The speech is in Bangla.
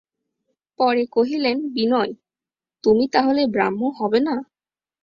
পরে কহিলেন, বিনয়, তুমি তা হলে ব্রাহ্ম হবে না?